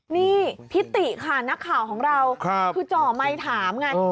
นี่พิติค่ะนักข่าวของเราครับคือเจ้าอ๋อมัยถามไงเออ